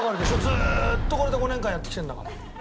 ずーっとこれで５年間やってきてるんだから。